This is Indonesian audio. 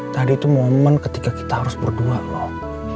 tadi itu momen ketika kita harus berdua loh